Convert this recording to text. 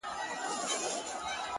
خر غریب هم یوه ورځ په هرها سو؛